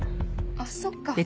あっそっか。